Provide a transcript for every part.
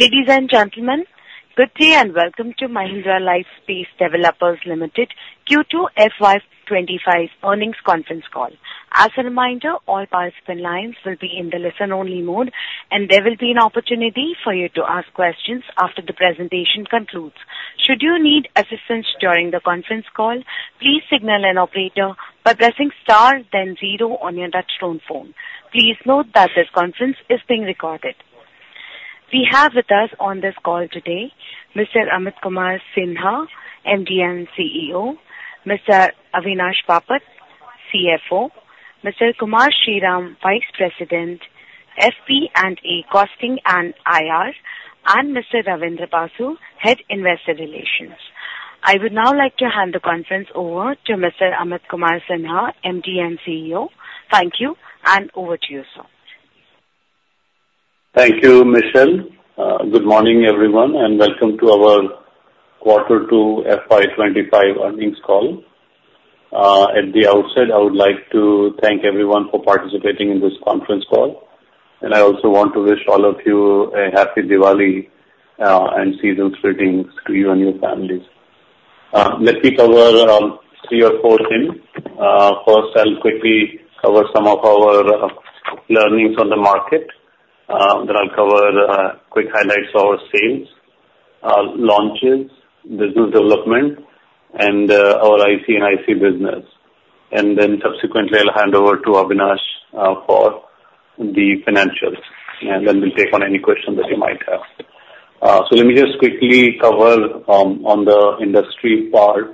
Ladies and gentlemen, good day and welcome to Mahindra Lifespace Developers Limited Q2 FY 2025 earnings conference call. As a reminder, all participant lines will be in the listen-only mode, and there will be an opportunity for you to ask questions after the presentation concludes. Should you need assistance during the conference call, please signal an operator by pressing star, then zero on your touch-tone phone. Please note that this conference is being recorded. We have with us on this call today Mr. Amit Kumar Sinha, MD and CEO; Mr. Avinash Bapat, CFO; Mr. Kumar Sriram, Vice President, FP&A, Costing and IR; and Mr. Rabindra Basu, Head of Investor Relations. I would now like to hand the conference over to Mr. Amit Kumar Sinha, MD and CEO. Thank you, and over to you, sir. Thank you, Michelle. Good morning, everyone, and welcome to our Q2 FY 2025 earnings call. At the outset, I would like to thank everyone for participating in this conference call, and I also want to wish all of you a happy Diwali and season's greetings to you and your families. Let me cover three or four things. First, I'll quickly cover some of our learnings on the market. Then I'll cover quick highlights of our sales, launches, business development, and our IC and IC business, and then subsequently, I'll hand over to Avinash for the financials, and then we'll take on any questions that you might have, so let me just quickly cover on the industry part.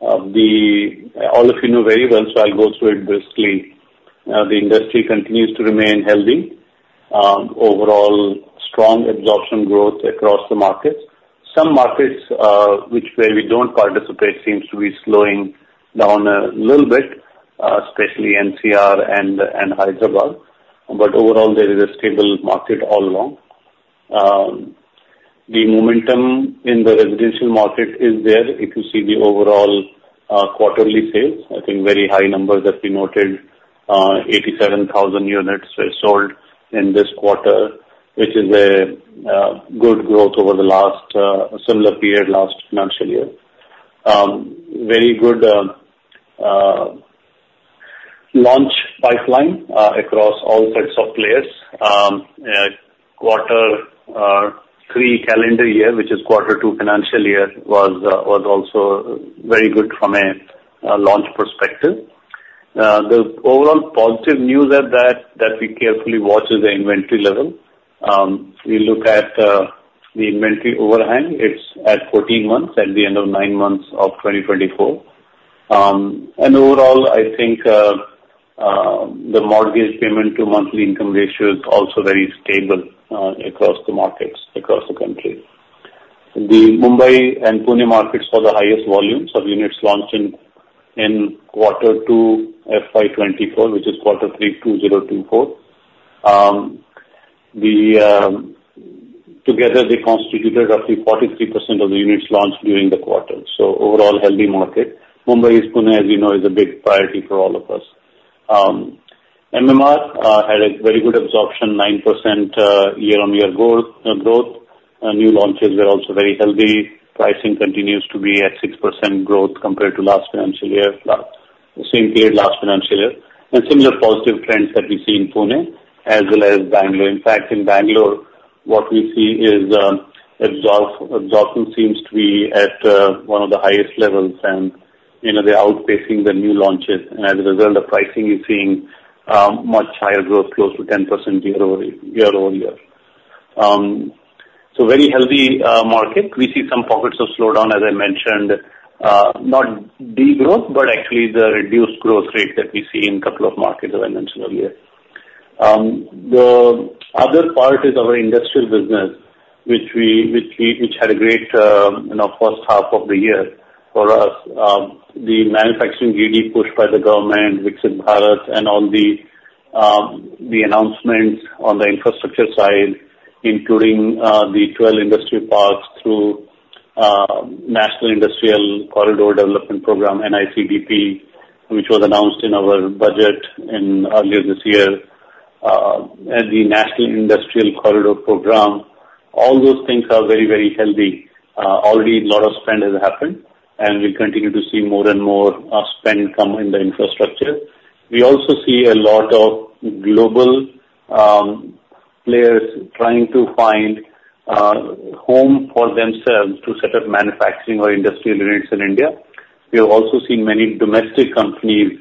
All of you know very well, so I'll go through it briefly. The industry continues to remain healthy. Overall, strong absorption growth across the markets. Some markets where we don't participate seem to be slowing down a little bit, especially NCR and Hyderabad. But overall, there is a stable market all along. The momentum in the residential market is there. If you see the overall quarterly sales, I think very high numbers that we noted, 87,000 units were sold in this quarter, which is a good growth over the last similar period, last financial year. Very good launch pipeline across all sets of players. Quarter three calendar year, which is Q2 financial year, was also very good from a launch perspective. The overall positive news is that we carefully watch the inventory level. We look at the inventory overhang. It's at 14 months at the end of nine months of 2024, and overall, I think the mortgage payment to monthly income ratio is also very stable across the markets across the country. The Mumbai and Pune markets saw the highest volumes of units launched in Q2 FY 2024, which is Q3 2024. Together, they constituted roughly 43% of the units launched during the quarter, so overall, healthy market. Mumbai and Pune, as you know, is a big priority for all of us. MMR had a very good absorption, 9% year-on-year growth. New launches were also very healthy. Pricing continues to be at 6% growth compared to last financial year, same period last financial year, and similar positive trends that we see in Pune as well as Bangalore. In fact, in Bangalore, what we see is absorption seems to be at one of the highest levels, and they're outpacing the new launches, and as a result, the pricing is seeing much higher growth, close to 10% year-over-year, so very healthy market. We see some pockets of slowdown, as I mentioned. Not degrowth, but actually the reduced growth rate that we see in a couple of markets as I mentioned earlier. The other part is our industrial business, which had a great first half of the year for us. The manufacturing GDP pushed by the government, Viksit Bharat, and all the announcements on the infrastructure side, including the 12 industrial parks through National Industrial Corridor Development Program, NICDP, which was announced in our budget earlier this year. The National Industrial Corridor Program, all those things are very, very healthy. Already, a lot of spend has happened, and we continue to see more and more spend come in the infrastructure. We also see a lot of global players trying to find a home for themselves to set up manufacturing or industrial units in India. We have also seen many domestic companies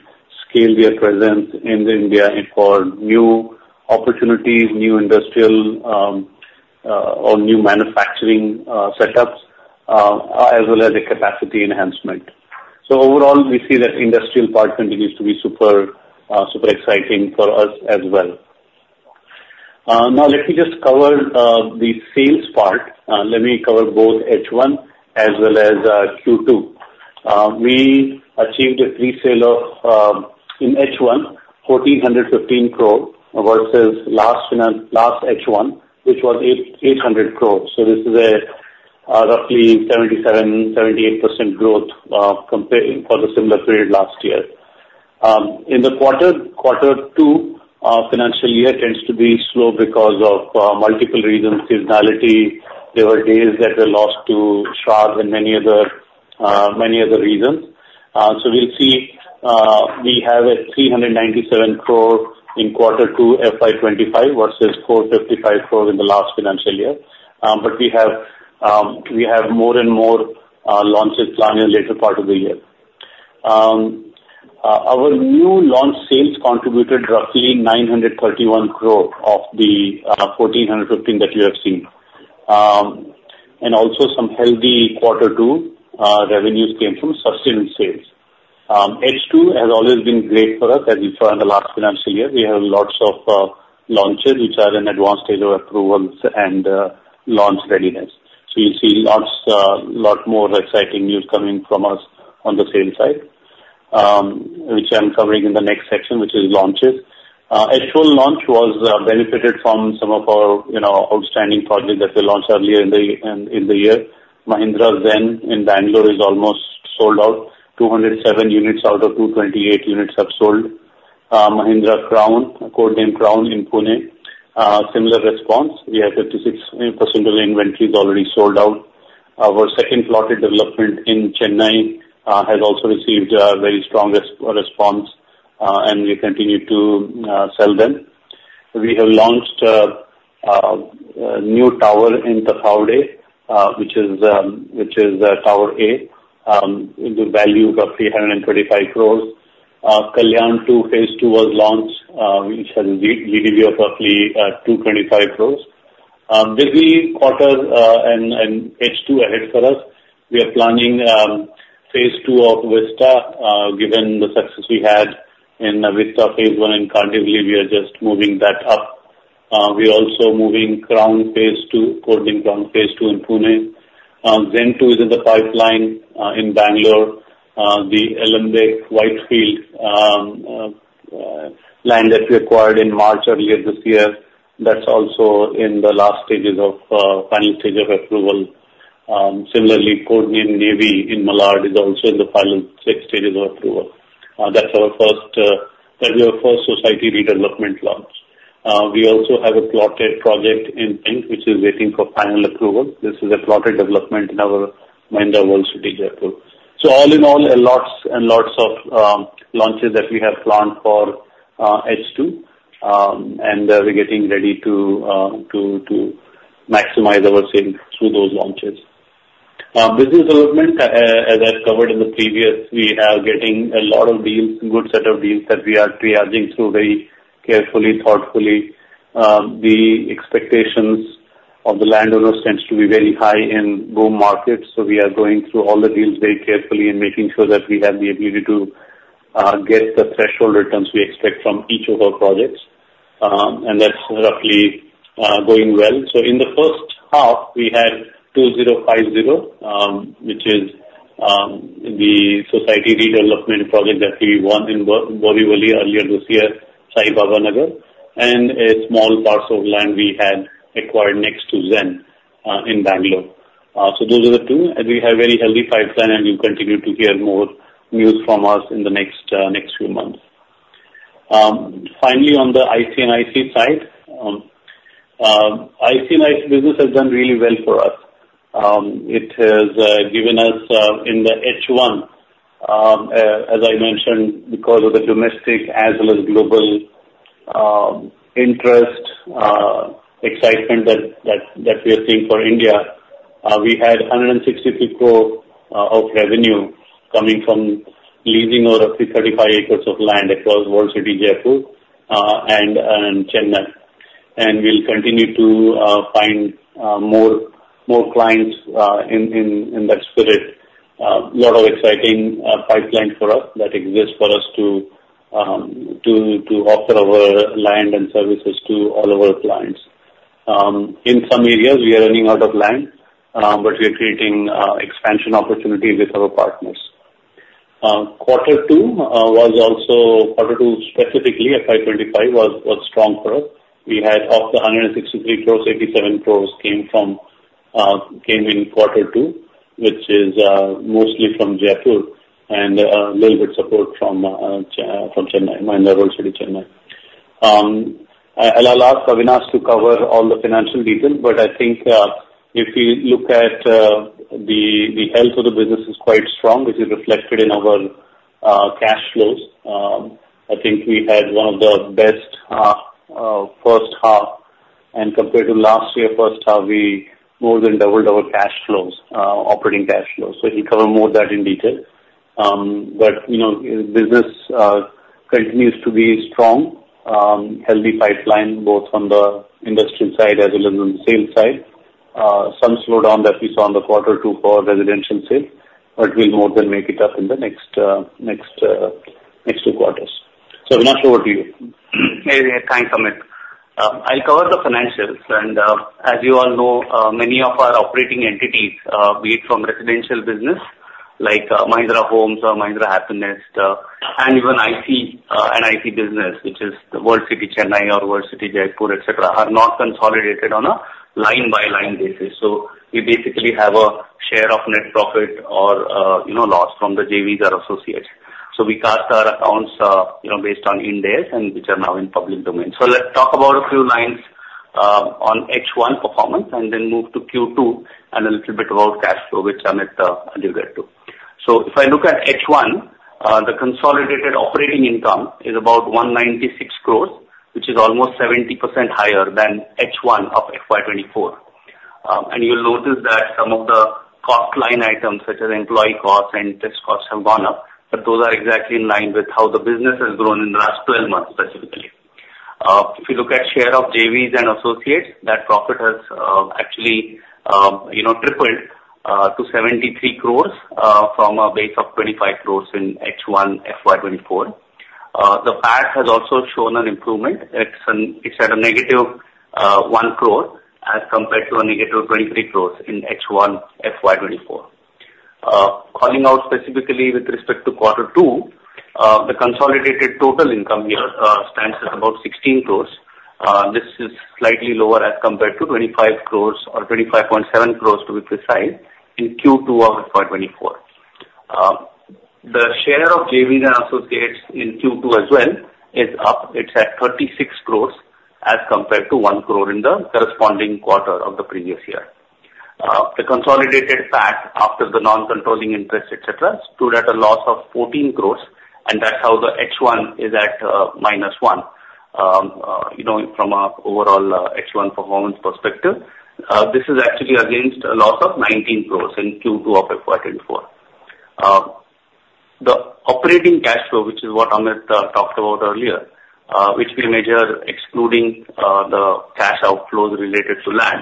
scale their presence in India for new opportunities, new industrial, or new manufacturing setups, as well as the capacity enhancement, so overall, we see that the industrial part continues to be super exciting for us as well. Now, let me just cover the sales part. Let me cover both H1 as well as Q2. We achieved a pre-sale of in H1, 1,415 crore versus last H1, which was 800 crore, so this is a roughly 77%-78% growth for the similar period last year. In the Q2 financial year, it tends to be slow because of multiple reasons. Seasonality, there were days that were lost to Shradh and many other reasons, so we'll see we have 397 crore in Q2 FY 2025 versus 455 crore in the last financial year. But we have more and more launches planned in the later part of the year. Our new launch sales contributed roughly 931 crore of the 1,415 crore that you have seen. And also, some healthy Q2 revenues came from subscription sales. H2 has always been great for us, as you saw in the last financial year. We have lots of launches, which are in advanced stage of approvals and launch readiness. So you see a lot more exciting news coming from us on the sales side, which I'm covering in the next section, which is launches. H1 launch was benefited from some of our outstanding projects that we launched earlier in the year. Mahindra Zen in Bangalore is almost sold out. 207 units out of 228 units have sold. Mahindra Crown, a Codename Crown in Pune, similar response. We have 56% of the inventories already sold out. Our second plotted development in Chennai has also received a very strong response, and we continue to sell them. We have launched a new tower in Tathawade, which is Tower A, with a value of 325 crore. Kalyan 2 phase II was launched, which has a GDV of roughly 225 crore. There will be Q2 and H2 ahead for us. We are planning phase II of Vista, given the success we had in Vista phase I in Kandivali. We are just moving that up. We are also moving Crown phase II, Codename Crown phase II in Pune. Zen 2 is in the pipeline in Bangalore. The Alembic Whitefield land that we acquired in March earlier this year, that's also in the last stages of final stage of approval. Similarly, Codename Navy in Malad is also in the final stages of approval. That's our first society redevelopment launch. We also have a plotted project in Pune, which is waiting for final approval. This is a plotted development in our Mahindra World City, Jaipur, so all in all, lots and lots of launches that we have planned for H2, and we're getting ready to maximize our sales through those launches. Business development, as I've covered in the previous, we are getting a lot of deals, a good set of deals that we are triaging through very carefully, thoughtfully. The expectations of the landowners tend to be very high in growth markets, so we are going through all the deals very carefully and making sure that we have the ability to get the threshold returns we expect from each of our projects, and that's roughly going well. So in the first half, we had 2050, which is the society redevelopment project that we won in Borivali earlier this year, Sai Baba Nagar, and a small parcel of land we had acquired next to Zen in Bangalore. So those are the two, and we have a very healthy pipeline, and we'll continue to hear more news from us in the next few months. Finally, on the industrial and integrated cities side, industrial and integrated cities business has done really well for us. It has given us in the H1, as I mentioned, because of the domestic as well as global interest, excitement that we are seeing for India, we had 163 crore of revenue coming from leasing, or roughly 35 acres of land across World City, Jaipur and Chennai, and we'll continue to find more clients in that spirit. A lot of exciting pipelines for us that exist for us to offer our land and services to all of our clients. In some areas, we are running out of land, but we are creating expansion opportunities with our partners. Q2 was also Q2 specifically, FY 2025 was strong for us. We had of the 163 crores, 87 crores came in Q2, which is mostly from Jaipur and a little bit support from Chennai, Mahindra World City, Chennai. I'll ask Avinash to cover all the financial details, but I think if you look at the health of the business is quite strong, which is reflected in our cash flows. I think we had one of the best first half, and compared to last year's first half, we more than doubled our cash flows, operating cash flows. So he'll cover more of that in detail. But business continues to be strong, healthy pipeline, both on the industrial side as well as on the sales side. Some slowdown that we saw in the Q2 for residential sales, but we'll more than make it up in the next two quarters. So Avinash, over to you. Thanks, Amit. I'll cover the financials. And as you all know, many of our operating entities, be it from residential business like Mahindra Homes or Mahindra Happinest, and even industrial and integrated business, which is World City Chennai or World City, Jaipur, etc., are not consolidated on a line-by-line basis. So we basically have a share of net profit or loss from the JVs that are associated. So we cast our accounts based on Ind AS, which are now in public domain. So let's talk about a few lines on H1 performance and then move to Q2 and a little bit about cash flow, which Amit will get to. So if I look at H1, the consolidated operating income is about 196 crores, which is almost 70% higher than H1 of FY 2024. You'll notice that some of the cost line items, such as employee costs and test costs, have gone up, but those are exactly in line with how the business has grown in the last 12 months specifically. If you look at share of JVs and associates, that profit has actually tripled to 73 crores from a base of 25 crores in H1 FY 2024. The PAT has also shown an improvement. It's at a negative 1 crore as compared to a negative 23 crores in H1 FY 2024. Calling out specifically with respect to Q2, the consolidated total income here stands at about 16 crores. This is slightly lower as compared to 25 crores or 25.7 crores, to be precise, in Q2 of FY 2024. The share of JVs and associates in Q2 as well is up. It's at 36 crores as compared to one crore in the corresponding quarter of the previous year. The consolidated PAT after the non-controlling interest, etc., stood at a loss of 14 crores, and that's how the H1 is at minus 1 from an overall H1 performance perspective. This is actually against a loss of 19 crores in Q2 of FY 2024. The operating cash flow, which is what Amit talked about earlier, which we measure excluding the cash outflows related to land,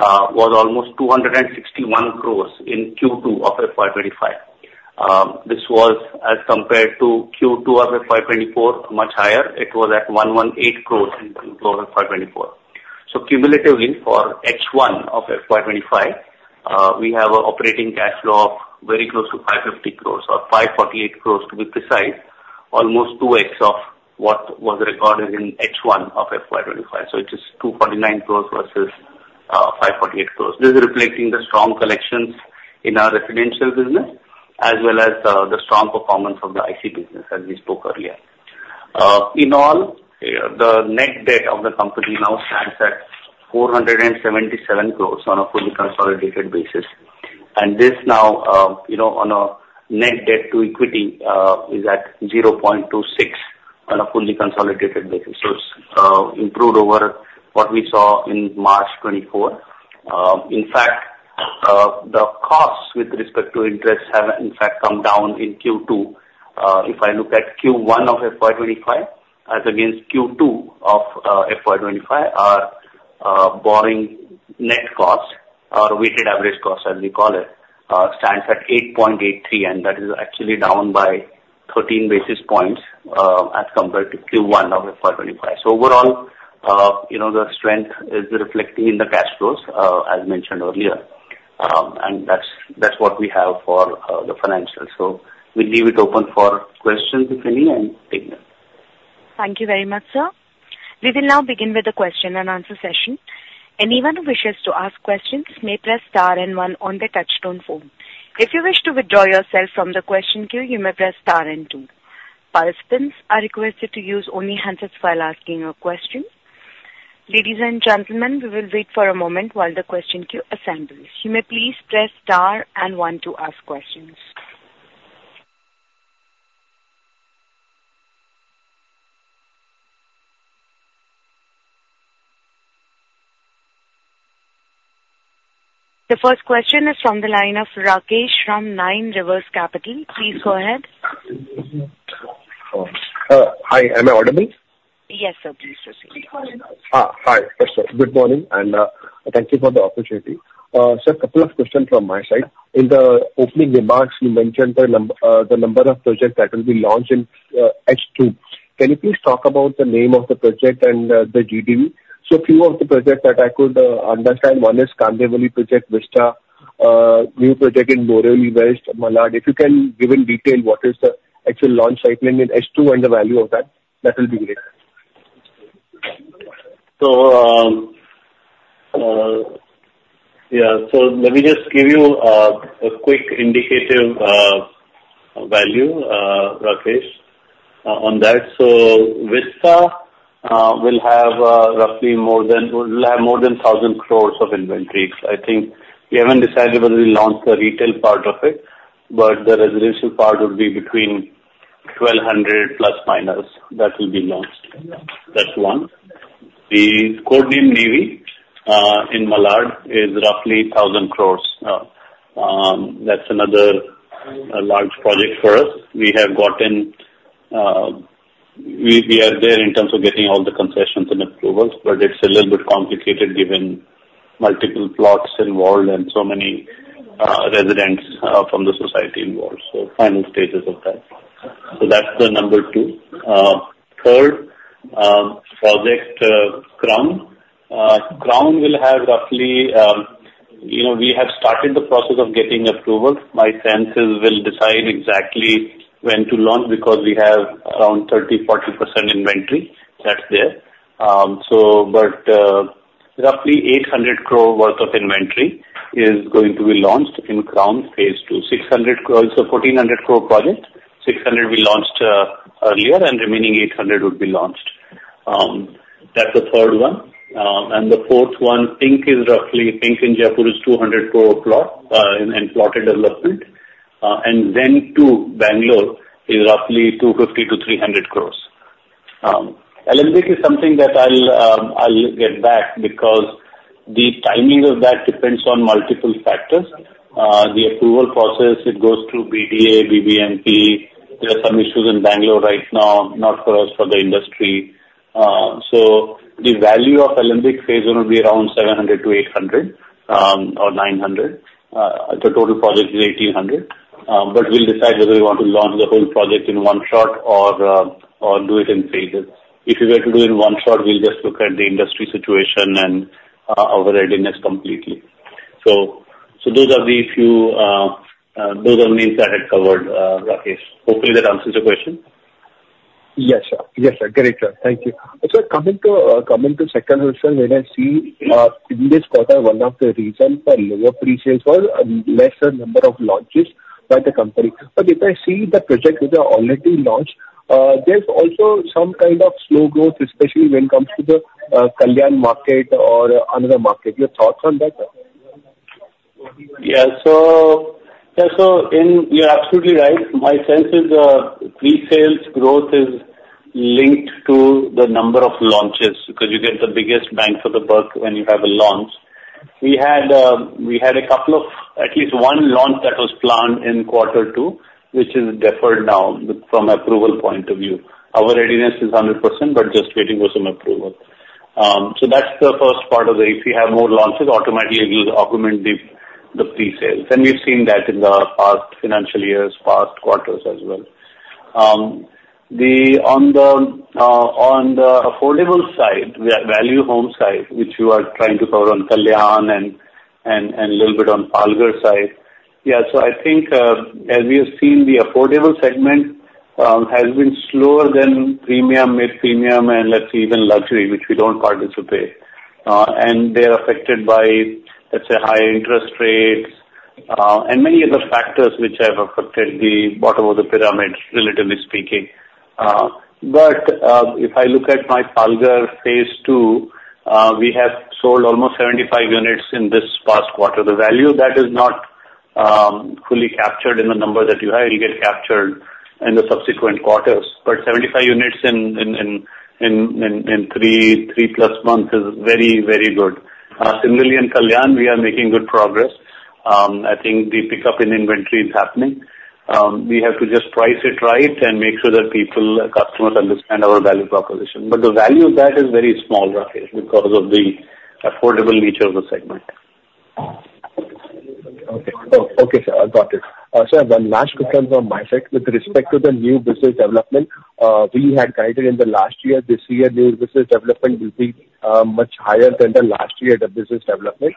was almost 261 crores in Q2 of FY 2025. This was, as compared to Q2 of FY 2024, much higher. It was at 118 crores in Q2 of FY 2024. So cumulatively for H1 of FY 2025, we have an operating cash flow of very close to 550 crores or 548 crores, to be precise, almost 2x of what was recorded in H1 of FY 2025. So it is 249 crores versus 548 crores. This is reflecting the strong collections in our residential business as well as the strong performance of the IC business, as we spoke earlier. In all, the net debt of the company now stands at 477 crores on a fully consolidated basis, and this now, on a net debt to equity, is at 0.26 on a fully consolidated basis, so it's improved over what we saw in March 2024. In fact, the costs with respect to interest have, in fact, come down in Q2. If I look at Q1 of FY 2025, as against Q2 of FY 2025, our borrowing net cost, our weighted average cost, as we call it, stands at 8.83%, and that is actually down by 13 basis points as compared to Q1 of FY 2025, so overall, the strength is reflecting in the cash flows, as mentioned earlier, and that's what we have for the financials. So we'll leave it open for questions, if any, and take notes. Thank you very much, sir. We will now begin with the question and answer session. Anyone who wishes to ask questions may press star and one on the touch-tone phone. If you wish to withdraw yourself from the question queue, you may press star and two. Participants are requested to use only handsets while asking a question. Ladies and gentlemen, we will wait for a moment while the question queue assembles. You may please press star and one to ask questions. The first question is from the line of Rakesh from Nine Rivers Capital. Please go ahead. Hi. Am I audible? Yes, sir. Please proceed. Hi, sir. Good morning, and thank you for the opportunity. Sir, a couple of questions from my side. In the opening remarks, you mentioned the number of projects that will be launched in H2. Can you please talk about the name of the project and the GDV? So a few of the projects that I could understand, one is Kandivali Project Vista, new project in Borivali West, Malad. If you can give in detail what is the actual launch cycling in H2 and the value of that, that will be great. So yeah, so let me just give you a quick indicative value, Rakesh, on that. So Vista will have roughly more than 1,000 crores of inventories. I think we haven't decided whether we launch the retail part of it, but the residential part would be between 1,200± that will be launched. That's one. The Codename Navy in Malad is roughly 1,000 crores. That's another large project for us. We are there in terms of getting all the concessions and approvals, but it's a little bit complicated given multiple plots involved and so many residents from the society involved. So final stages of that. So that's the number two. Third, project Crown. Crown will have roughly we have started the process of getting approval. Management will decide exactly when to launch because we have around 30%-40% inventory that's there. Roughly 800 crore worth of inventory is going to be launched in Crown phase II. 600 crore is a 1,400 crore project. 600 crore we launched earlier, and remaining 800 crore would be launched. That's the third one, the fourth one. Pink is roughly Pink in Jaipur is 200 crore plot and plotted development. Zen 2, Bangalore, is roughly 250 crore to 300 crore. Alembic is something that I'll get back because the timing of that depends on multiple factors. The approval process, it goes through BDA, BBMP. There are some issues in Bangalore right now, not for us, for the industry. The value of Alembic phase I will be around 700 crore to 800 crore or 900 crore. The total project is 1,800 crore. But we'll decide whether we want to launch the whole project in one shot or do it in phases. If we were to do it in one shot, we'll just look at the industry situation and our readiness completely. So those are the few names I had covered, Rakesh. Hopefully, that answers your question. Yes, sir. Yes, sir. Great job. Thank you. Sir, coming to second, sir, when I see in this quarter, one of the reasons for lower pre-sales was lesser number of launches by the company. But if I see the project which are already launched, there's also some kind of slow growth, especially when it comes to the Kalyan market or another market. Your thoughts on that? Yeah. So you're absolutely right. My sense is the presales growth is linked to the number of launches because you get the biggest bang for the buck when you have a launch. We had a couple of at least one launch that was planned in Q2, which is deferred now from approval point of view. Our readiness is 100%, but just waiting for some approval. So that's the first part of the if you have more launches, automatically it will augment the presales. And we've seen that in the past financial years, past quarters as well. On the affordable side, value home side, which you are trying to cover on Kalyan and a little bit on Palghar side. Yeah. So I think, as we have seen, the affordable segment has been slower than premium, mid-premium, and let's say even luxury, which we don't participate. They're affected by, let's say, high interest rates and many other factors which have affected the bottom of the pyramid, relatively speaking. But if I look at my Palghar phase II, we have sold almost 75 units in this past quarter. The value that is not fully captured in the number that you have, it'll get captured in the subsequent quarters. But 75 units in three plus months is very, very good. Similarly, in Kalyan, we are making good progress. I think the pickup in inventory is happening. We have to just price it right and make sure that people, customers, understand our value proposition. But the value of that is very small, Rakesh, because of the affordable nature of the segment. Okay. Okay, sir. I got it. Sir, Mahesh, quickly on Mahesh, with respect to the new business development, we had guided in the last year. This year, new business development will be much higher than the last year's business development.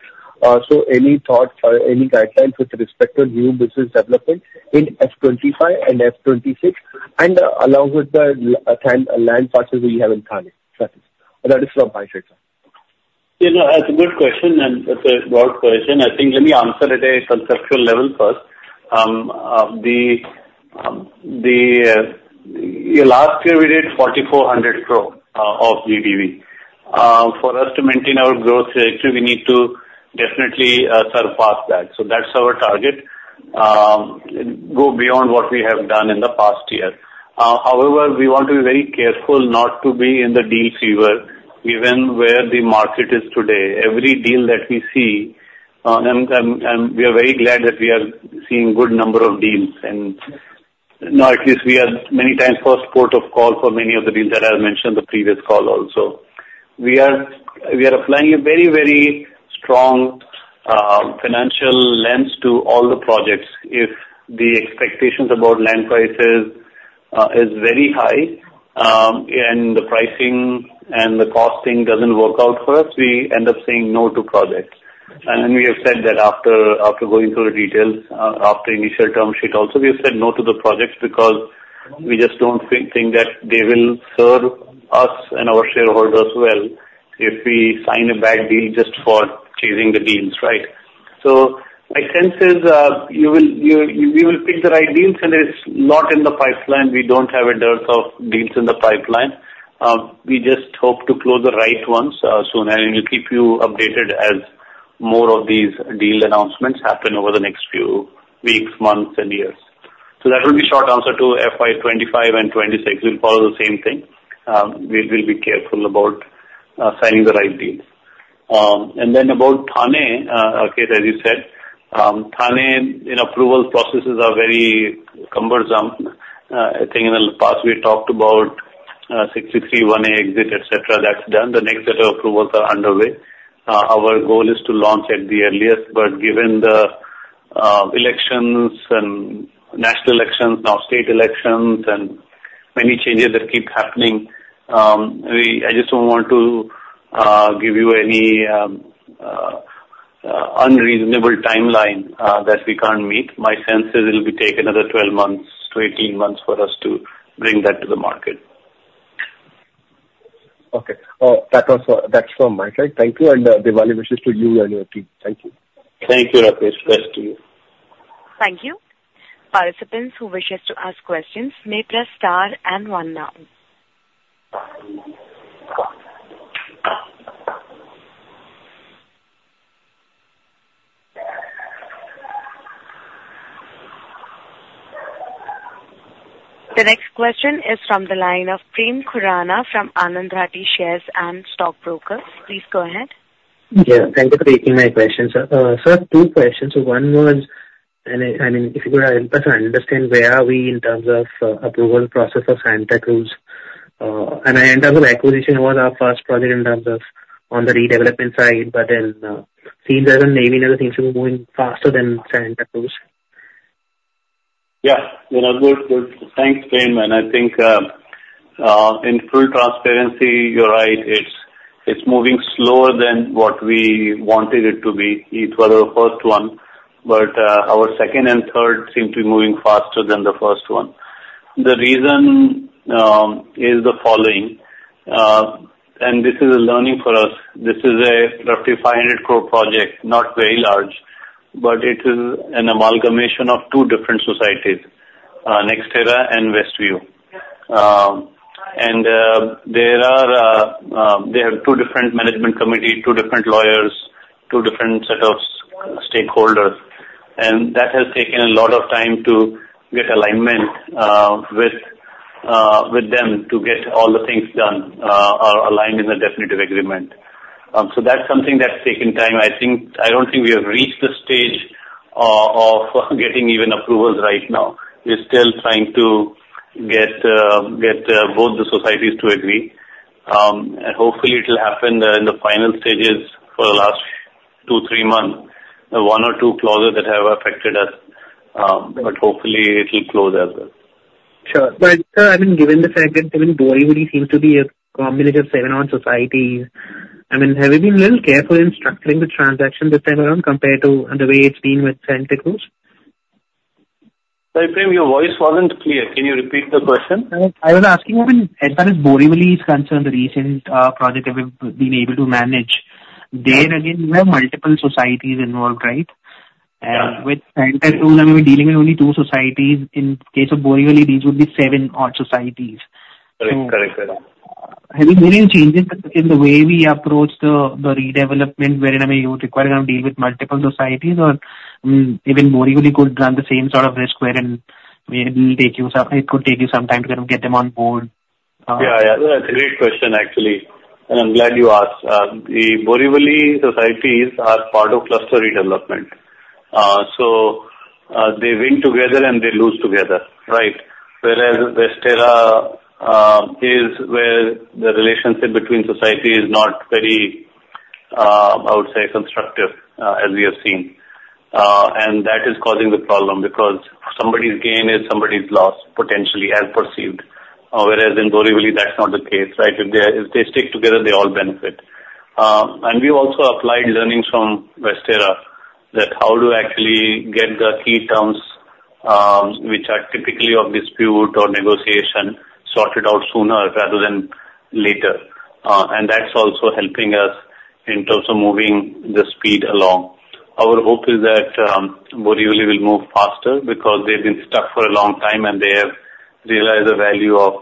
So any thought or any guidelines with respect to new business development in F25 and F26 and along with the land parcels we have in Kalyan? That is from Mahesh, sir. Yeah. No, that's a good question and that's a broad question. I think let me answer it at a conceptual level first. Last year, we did 4,400 crores of GDV. For us to maintain our growth trajectory, we need to definitely surpass that. So that's our target, go beyond what we have done in the past year. However, we want to be very careful not to be in the deal fever given where the market is today. Every deal that we see, and we are very glad that we are seeing a good number of deals. And now, at least we are many times first port of call for many of the deals that I have mentioned in the previous call also. We are applying a very, very strong financial lens to all the projects. If the expectations about land prices are very high and the pricing and the costing doesn't work out for us, we end up saying no to projects, and we have said that after going through the details, after initial term sheet also, we have said no to the projects because we just don't think that they will serve us and our shareholders well if we sign a bad deal just for chasing the deals, right, so my sense is we will pick the right deals, and there is a lot in the pipeline. We don't have a dearth of deals in the pipeline. We just hope to close the right ones soon, and we'll keep you updated as more of these deal announcements happen over the next few weeks, months, and years, so that will be a short answer to FY 2025 and FY 2026. We'll follow the same thing. We'll be careful about signing the right deals, and then about Thane, Rakesh, as you said, Thane's approval processes are very cumbersome. I think in the past, we talked about 63-1 exit, etc. That's done. The next set of approvals are underway. Our goal is to launch at the earliest, but given the elections and national elections, now state elections, and many changes that keep happening, I just don't want to give you any unreasonable timeline that we can't meet. My sense is it'll take another 12 months to 18 months for us to bring that to the market. Okay. That's from Mahesh. Thank you. And the same message to you and your team. Thank you. Thank you, Rakesh. Best to you. Thank you. Participants who wish to ask questions may press star and one now. The next question is from the line of Prem Khurana from Anand Rathi Share and Stock Brokers. Please go ahead. Yeah. Thank you for taking my question, sir. Sir, two questions. One was, I mean, if you could help us understand where are we in terms of approval process for Santacruz? And I understand the acquisition was our first project in terms of on the redevelopment side, but then seeing that Navy and other things are moving faster than Santacruz. Yeah. Thanks, Prem. And I think in full transparency, you're right. It's moving slower than what we wanted it to be. It was our first one, but our second and third seem to be moving faster than the first one. The reason is the following, and this is a learning for us. This is a roughly 500 crore project, not very large, but it is an amalgamation of two different societies, NextEra and Westview. And they have two different management committees, two different lawyers, two different sets of stakeholders. And that has taken a lot of time to get alignment with them to get all the things done or aligned in a definitive agreement. So that's something that's taken time. I don't think we have reached the stage of getting even approvals right now. We're still trying to get both the societies to agree. Hopefully, it'll happen in the final stages for the last two, three months, one or two clauses that have affected us. But hopefully, it'll close as well. Sure. But, sir, I mean, given the fact that Borivali seems to be a combination of seven-owned societies, I mean, have you been a little careful in structuring the transaction this time around compared to the way it's been with Santacruz? Sorry, Prem, your voice wasn't clear. Can you repeat the question? I was asking you when Borivali is concerned, the recent project that we've been able to manage. Then again, we have multiple societies involved, right? And with Santacruz, I mean, we're dealing with only two societies. In case of Borivali, these would be seven-odd societies. Correct. Correct. Correct. Have you made any changes in the way we approach the redevelopment wherein I mean, you would require kind of deal with multiple societies, or even Borivali could run the same sort of risk wherein it could take you some time to kind of get them on board? Yeah. Yeah. That's a great question, actually. And I'm glad you asked. The Borivali societies are part of cluster redevelopment. So they win together and they lose together, right? Whereas Westera is where the relationship between societies is not very, I would say, constructive as we have seen. And that is causing the problem because somebody's gain is somebody's loss, potentially, as perceived. Whereas in Borivali, that's not the case, right? If they stick together, they all benefit. And we also applied learnings from Westera that how to actually get the key terms, which are typically of dispute or negotiation, sorted out sooner rather than later. And that's also helping us in terms of moving the speed along. Our hope is that Borivali will move faster because they've been stuck for a long time, and they have realized the value of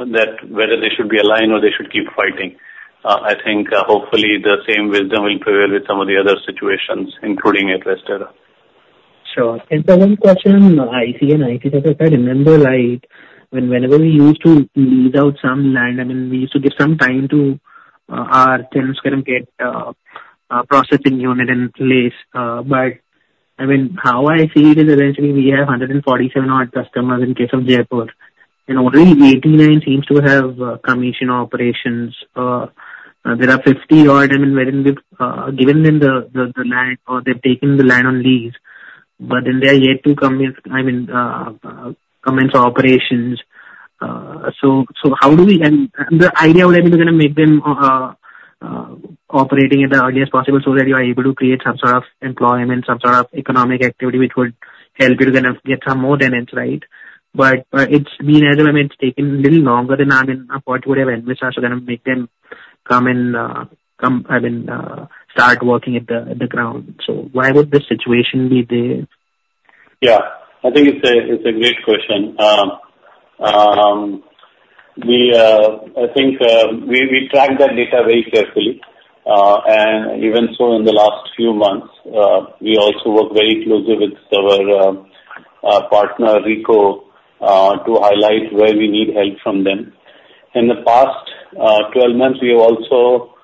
whether they should be aligned or they should keep fighting. I think, hopefully, the same wisdom will prevail with some of the other situations, including at Westera. Sure. Second question, ICN, ICSSI. Remember whenever we used to lease out some land. I mean, we used to give some time to our tenants to kind of get a processing unit in place. But I mean, how I see it is eventually we have 147-odd customers in case of Jet Pro. And only 89 seems to have commenced operations. There are 50-odd, I mean, wherein we've given them the land or they've taken the land on lease, but then they are yet to commence operations. So the idea would have been to kind of make them operating as early as possible so that you are able to create some sort of employment, some sort of economic activity which would help you to kind of get some more tenants, right? But it's been, I mean, it's taken a little longer than I mean what would have envisioned to kind of make them come and, I mean, start working on the ground. So why would the situation be there? Yeah. I think it's a great question. I think we track that data very carefully. And even so, in the last few months, we also work very closely with our partner, RIICO, to highlight where we need help from them. In the past 12 months, we have also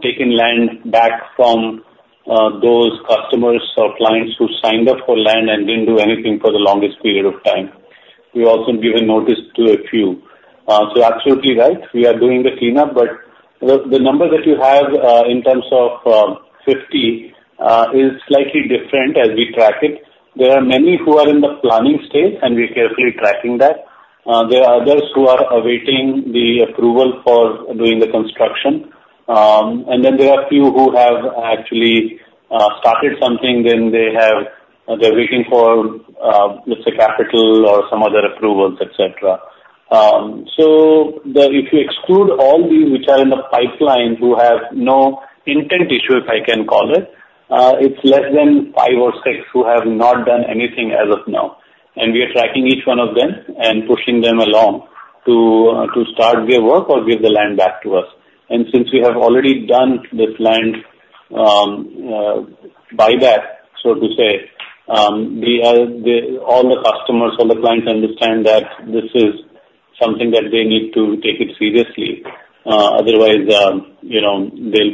taken land back from those customers or clients who signed up for land and didn't do anything for the longest period of time. We've also given notice to a few. So absolutely right. We are doing the cleanup, but the number that you have in terms of 50 is slightly different as we track it. There are many who are in the planning stage, and we're carefully tracking that. There are others who are awaiting the approval for doing the construction. And then there are a few who have actually started something, then they're waiting for, let's say, capital or some other approvals, etc. So if you exclude all these which are in the pipeline who have no intent issue, if I can call it, it's less than five or six who have not done anything as of now. And we are tracking each one of them and pushing them along to start their work or give the land back to us. And since we have already done this land buyback, so to say, all the customers, all the clients understand that this is something that they need to take seriously. Otherwise, they'll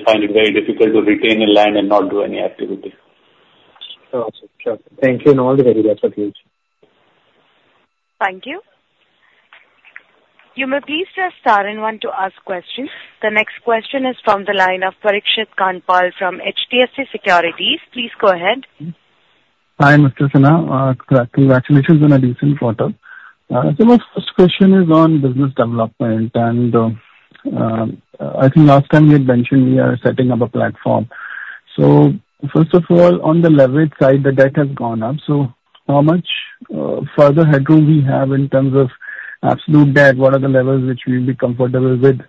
find it very difficult to retain the land and not do any activity. Awesome. Sure. Thank you in all the ways. That's what you should. Thank you. You may please press star and one to ask questions. The next question is from the line of Parikshit Kandpal from HDFC Securities. Please go ahead. Hi, Mr. Sinha. Congratulations on a decent quarter. So my first question is on business development. And I think last time we had mentioned we are setting up a platform. So first of all, on the leverage side, the debt has gone up. So how much further headroom do we have in terms of absolute debt? What are the levels which we'll be comfortable with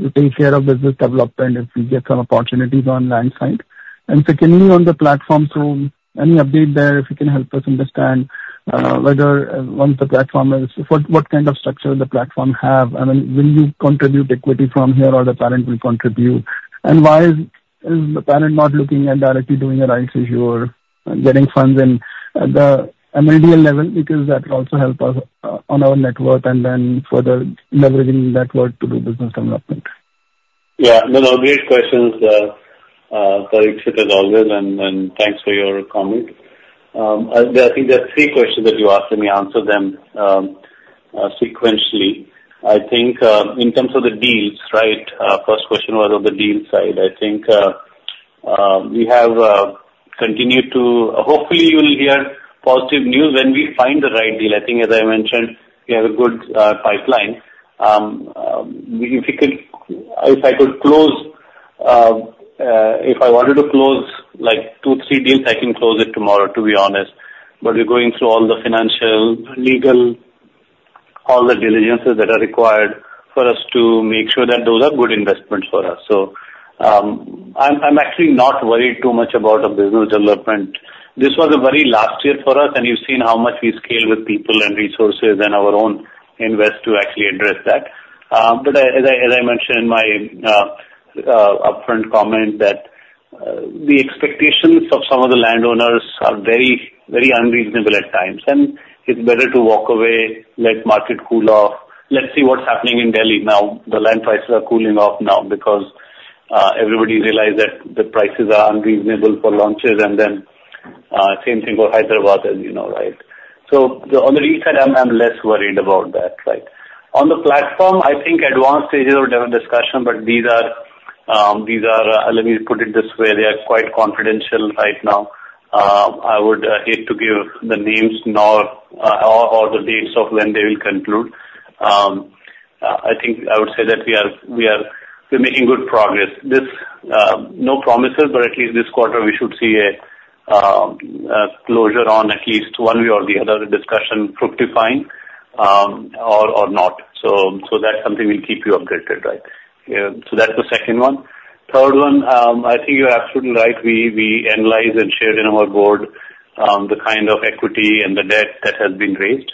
to take care of business development if we get some opportunities on land side? And secondly, on the platform, so any update there if you can help us understand whether once the platform is what kind of structure the platform have? I mean, will you contribute equity from here or the parent will contribute? And why is the parent not looking at directly doing a rights issue or getting funds in the MLDL level? Because that will also help us on our network and then further leveraging that work to do business development. Yeah. No, no. Great questions, Parikshit as always. And thanks for your comment. I think there are three questions that you asked, and we answered them sequentially. I think in terms of the deals, right, first question was on the deal side. I think we have continued to hopefully, you'll hear positive news when we find the right deal. I think, as I mentioned, we have a good pipeline. If I could close, if I wanted to close two, three deals, I can close it tomorrow, to be honest. But we're going through all the financial, legal, all the diligences that are required for us to make sure that those are good investments for us. So I'm actually not worried too much about business development. This was a very last year for us, and you've seen how much we scale with people and resources and our own invest to actually address that. But as I mentioned in my upfront comment, that the expectations of some of the landowners are very unreasonable at times, and it's better to walk away, let market cool off. Let's see what's happening in Delhi. Now, the land prices are cooling off now because everybody realized that the prices are unreasonable for launches, and then same thing for Hyderabad, as you know, right? So on the deal side, I'm less worried about that, right? On the platform, I think advanced stages of discussion, but these are, let me put it this way, they are quite confidential right now. I would hate to give the names or the dates of when they will conclude. I think I would say that we are making good progress. No promises, but at least this quarter, we should see a closure on at least one way or the other discussion fructifying or not. So that's something we'll keep you updated, right? So that's the second one. Third one, I think you're absolutely right. We analyzed and shared in our board the kind of equity and the debt that has been raised.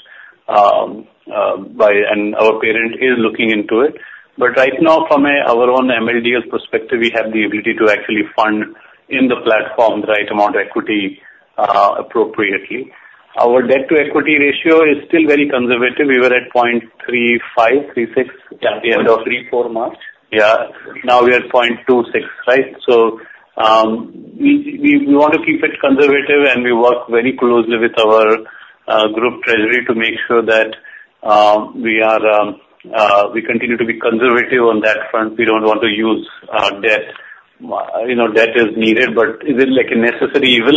And our parent is looking into it. But right now, from our own MLDL perspective, we have the ability to actually fund in the platform the right amount of equity appropriately. Our debt-to-equity ratio is still very conservative. We were at 0.35-0.36 at the end of FY 2024 March. Yeah. Now we are at 0.26, right? So we want to keep it conservative, and we work very closely with our group treasury to make sure that we continue to be conservative on that front. We don't want to use debt. Debt is needed, but is it like a necessary evil?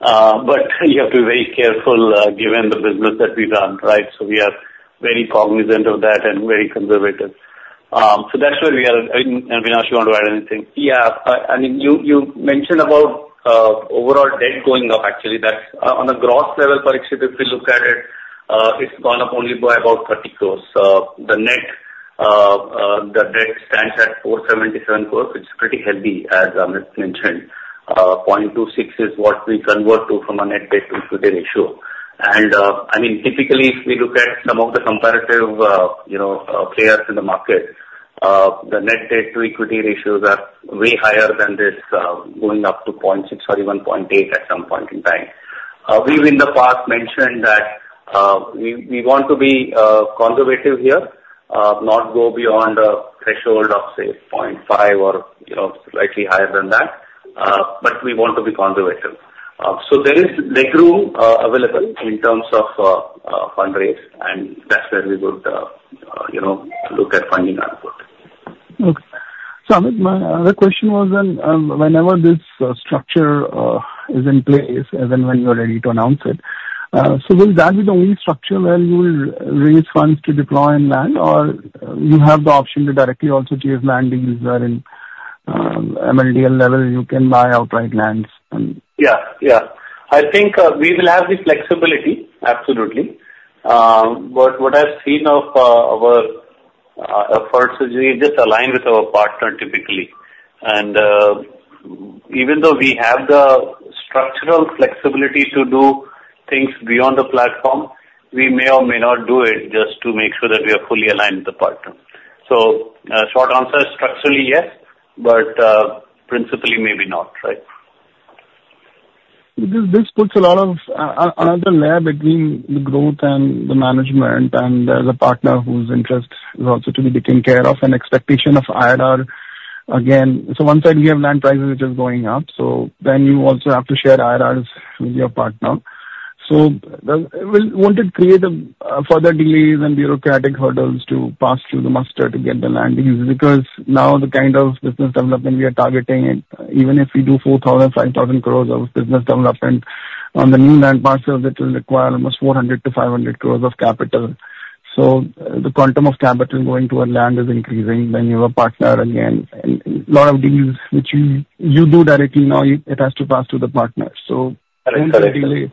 But you have to be very careful given the business that we run, right? So we are very cognizant of that and very conservative. So that's where we are. I mean, Avinash you want to add anything. Yeah. I mean, you mentioned about overall debt going up, actually. On a gross level, Parikshit, if we look at it, it's gone up only by about 30 crores. The net debt stands at 477 crores, which is pretty healthy, as I mentioned. 0.26 is what we convert to from a net debt-to-equity ratio. I mean, typically, if we look at some of the comparative players in the market, the net debt-to-equity ratios are way higher than this, going up to 0.6, sorry, 1.8 at some point in time. We've in the past mentioned that we want to be conservative here, not go beyond a threshold of, say, 0.5 or slightly higher than that, but we want to be conservative. There is legroom available in terms of fundraising, and that's where we would look at funding options. Okay. So my other question was, then whenever this structure is in place, and then when you're ready to announce it, so will that be the only structure where you will raise funds to deploy land, or you have the option to directly also chase land deals wherein at MLDL level, you can buy outright lands? Yeah. Yeah. I think we will have the flexibility, absolutely. But what I've seen of our efforts is we just align with our partner typically. And even though we have the structural flexibility to do things beyond the platform, we may or may not do it just to make sure that we are fully aligned with the partner. So short answer is structurally, yes, but principally, maybe not, right? This puts a lot of another layer between the growth and the management and the partner whose interest is also to be taken care of and expectation of IRR again. So one side, we have land prices which are going up, so then you also have to share IRRs with your partner. So would it create further delays and bureaucratic hurdles to pass through the muster to get the land deals? Because now the kind of business development we are targeting, even if we do 4,000-5,000 crores of business development on the new land parcel, that will require almost 400-500 crores of capital. So the quantum of capital going to a land is increasing when you have a partner again. And a lot of deals which you do directly now, it has to pass through the partner. So it will delay.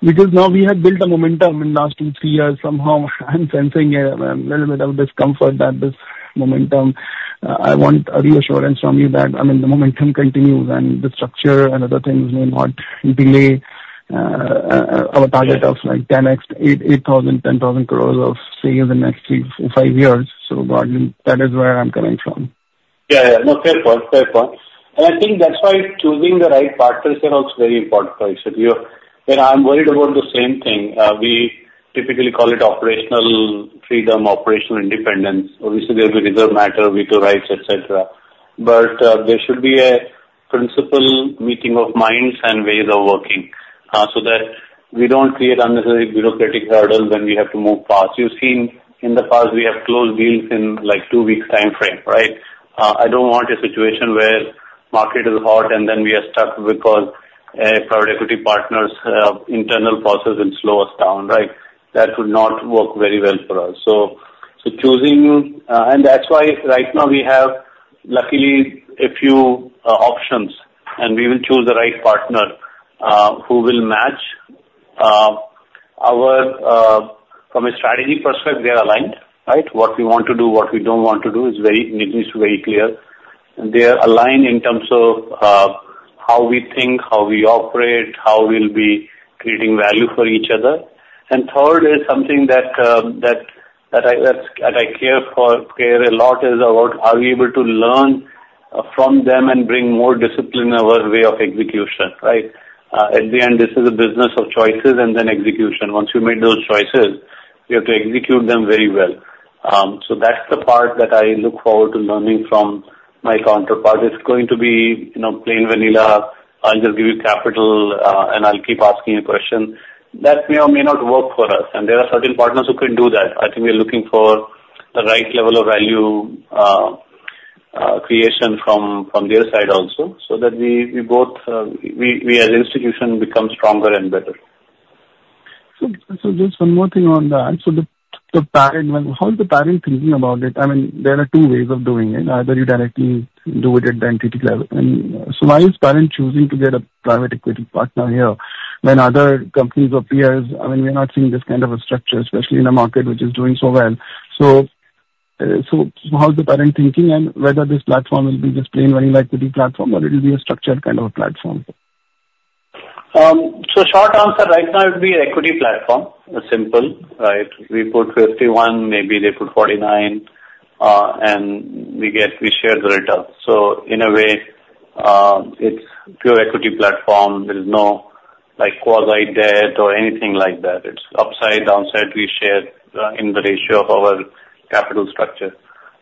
Because now we have built a momentum in the last two, three years, somehow I'm sensing a little bit of discomfort that this momentum, I want reassurance from you that, I mean, the momentum continues and the structure and other things may not delay our target of like 10,000 crores, 10,000 crores of sales in the next three to five years. So that is where I'm coming from. Yeah. Yeah. No, fair point. Fair point. And I think that's why choosing the right partners are also very important, Parikshit. I'm worried about the same thing. We typically call it operational freedom, operational independence, obviously there will be reserved matters, veto rights, etc. But there should be a principled meeting of minds and ways of working so that we don't create unnecessary bureaucratic hurdles when we have to move fast. You've seen in the past, we have closed deals in like two-week timeframe, right? I don't want a situation where market is hot and then we are stuck because private equity partners' internal processes slow us down, right? That would not work very well for us. So choosing, and that's why right now we have, luckily, a few options, and we will choose the right partner who will match our, from a strategy perspective, they are aligned, right? What we want to do, what we don't want to do is very clear, and they are aligned in terms of how we think, how we operate, how we'll be creating value for each other, and third is something that I care a lot is about how we are able to learn from them and bring more discipline in our way of execution, right? At the end, this is a business of choices and then execution. Once you made those choices, you have to execute them very well, so that's the part that I look forward to learning from my counterpart. It's going to be plain vanilla. I'll just give you capital, and I'll keep asking you a question. That may or may not work for us, and there are certain partners who can do that. I think we're looking for the right level of value creation from their side also so that we both, we as an institution, become stronger and better. So just one more thing on that. So the parent, how is the parent thinking about it? I mean, there are two ways of doing it. Either you directly do it at the entity level. And so why is the parent choosing to get a private equity partner here when other companies or peers, I mean, we're not seeing this kind of a structure, especially in a market which is doing so well. So how is the parent thinking and whether this platform will be just plain vanilla equity platform or it will be a structured kind of a platform? So, short answer, right now it would be an equity platform, a simple, right? We put 51, maybe they put 49, and we share the returns. So in a way, it's pure equity platform. There is no quasi-debt or anything like that. It's upside, downside. We share in the ratio of our capital structure.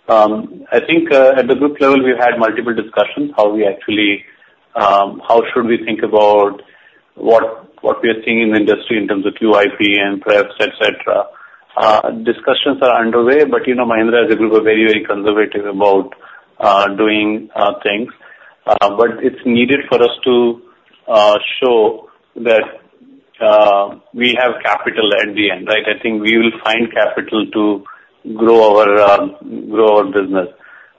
I think at the group level, we've had multiple discussions how we actually, how should we think about what we are seeing in the industry in terms of QIP and perhaps, etc. Discussions are underway, but Mahindra as a group are very, very conservative about doing things. But it's needed for us to show that we have capital at the end, right? I think we will find capital to grow our business.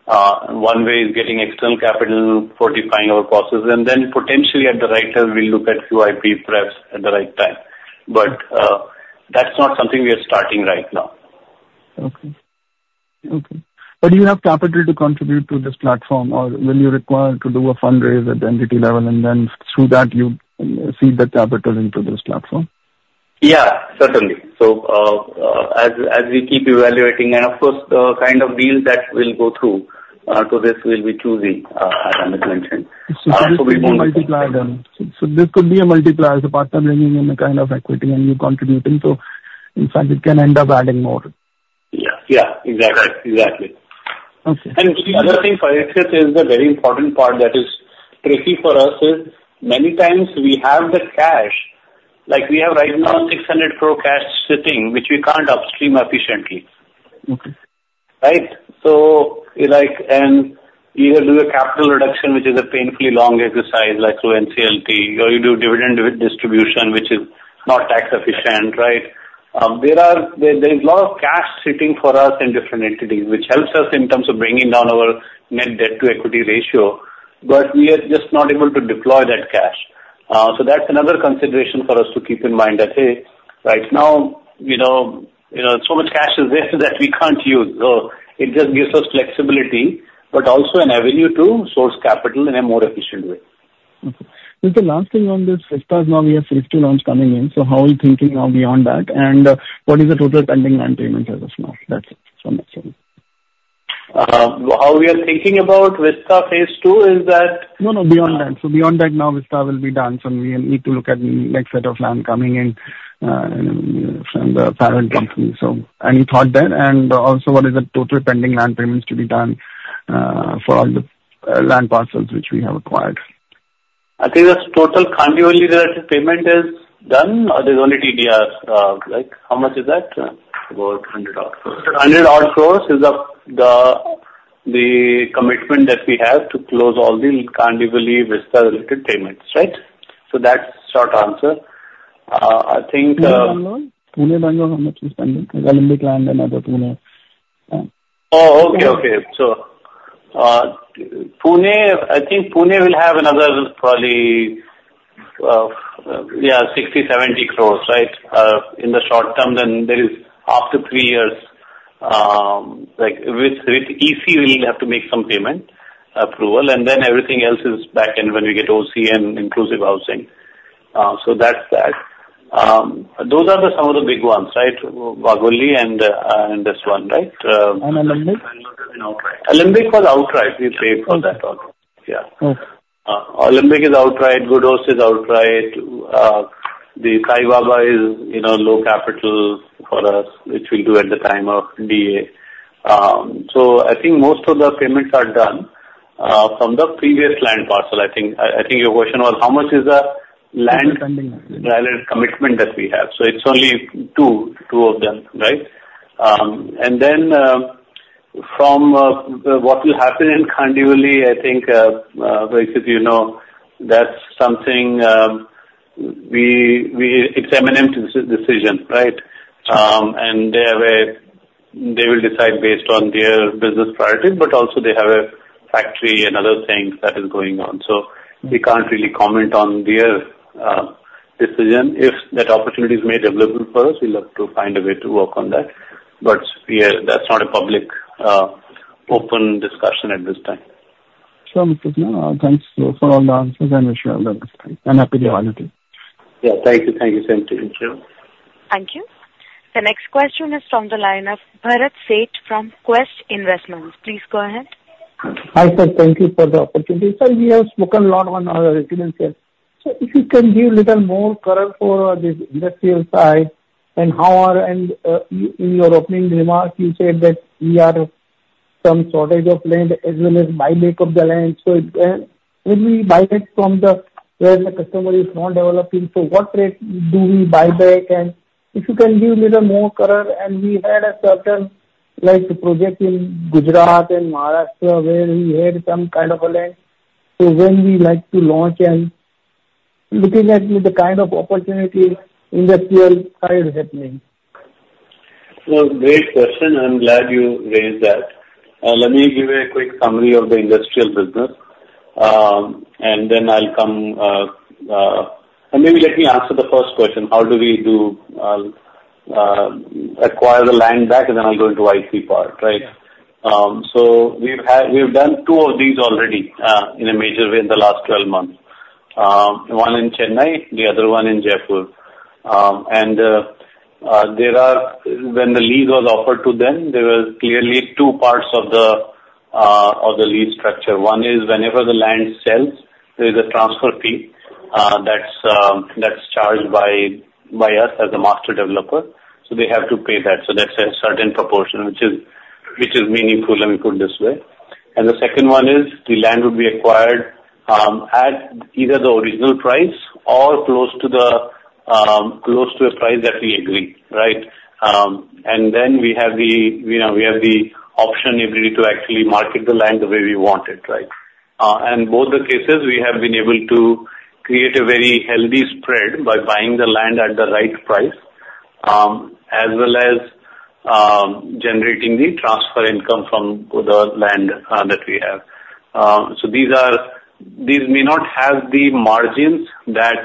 One way is getting external capital for defining our processes. And then potentially at the right time, we'll look at QIP perhaps at the right time. But that's not something we are starting right now. Okay. But do you have capital to contribute to this platform, or will you require to do a fundraiser at the entity level, and then through that, you seed the capital into this platform? Yeah. Certainly. So as we keep evaluating, and of course, the kind of deals that will go through to this will be choosy, as I mentioned. So there could be a multiplier. So there could be a multiplier as the partner bringing in the kind of equity and you contributing. So in fact, it can end up adding more. Yeah. Yeah. Exactly. Exactly. And the other thing, Parikshit, is the very important part that is tricky for us is many times we have the cash. We have right now 600 crore cash sitting, which we can't upstream efficiently, right? And either do a capital reduction, which is a painfully long exercise like through NCLT, or you do dividend distribution, which is not tax efficient, right? There is a lot of cash sitting for us in different entities, which helps us in terms of bringing down our net debt-to-equity ratio, but we are just not able to deploy that cash. So that's another consideration for us to keep in mind that, hey, right now, so much cash is there that we can't use. So it just gives us flexibility, but also an avenue to source capital in a more efficient way. Okay. Just the last thing on this Vista, now we have phase two loans coming in. So how are you thinking now beyond that? And what is the total pending land payments as of now? That's it from my side. How we are thinking about Vista phase II is that. No, no. Beyond that. So beyond that, now Vista will be done. So we need to look at the next set of land coming in from the parent company. So any thought there? And also, what is the total pending land payments to be done for all the land parcels which we have acquired? I think that's total ongoing directed payment is done. There's only TDR. How much is that? About INR 100 odd crores. 100 odd crores is the commitment that we have to close all the ongoing Vista-related payments, right? So that's short answer. I think. Pune, Bengaluru is pending. There's a Alembic land and other Pune. Okay. So I think Pune will have another probably, yeah, 60-70 crores, right? In the short term, then there is after three years, with EC, we'll have to make some payment approval, and then everything else is back end when we get OC and inclusive housing. So that's that. Those are some of the big ones, right? Wagholi and this one, right? And Alembic? Alembic was outright. We paid for that one. Yeah. Alembic is outright. Ghodbunder is outright. The Sai Baba is low capital for us, which we'll do at the time of DA. So I think most of the payments are done from the previous land parcel. I think your question was how much is the land-related commitment that we have? So it's only two of them, right? And then from what will happen in Kalyan, I think, Parikshit, that's something it's M&M decision, right? And they will decide based on their business priorities, but also they have a factory and other things that are going on. So we can't really comment on their decision. If that opportunity is made available for us, we'll have to find a way to work on that. But yeah, that's not a public open discussion at this time. Sure. Thanks for all the answers. I wish you all the best. And happy Diwali too. Yeah. Thank you. Thank you same to you. Thank you. The next question is from the line of Bharat Sheth from Quest Investments. Please go ahead. Hi sir. Thank you for the opportunity. Sir, we have spoken a lot on our residences. So if you can give a little more color for this industrial side and how our—and in your opening remark, you said that we are some shortage of land as well as buyback of the land. So when we buy back from where the customer is not developing, so what rate do we buy back? And if you can give a little more color, and we had a certain project in Gujarat and Maharashtra where we had some kind of a land. So when we like to launch and looking at the kind of opportunity industrial side is happening. Great question. I'm glad you raised that. Let me give you a quick summary of the industrial business, and then I'll come, and maybe let me answer the first question. How do we acquire the land back, and then I'll go into SEZ part, right? So we've done two of these already in a major way in the last 12 months. One in Chennai, the other one in Jaipur. And when the lease was offered to them, there were clearly two parts of the lease structure. One is whenever the land sells, there is a transfer fee that's charged by us as a master developer. So they have to pay that. So that's a certain proportion, which is meaningful, let me put it this way. And the second one is the land would be acquired at either the original price or close to a price that we agree, right? And then we have the option ability to actually market the land the way we want it, right? And both the cases, we have been able to create a very healthy spread by buying the land at the right price as well as generating the transfer income from the land that we have. So these may not have the margins that